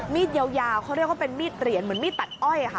มีดยาวเขาเรียกว่าเป็นมีดเหรียญเหมือนมีดตัดอ้อยค่ะ